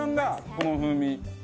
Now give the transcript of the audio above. この風味。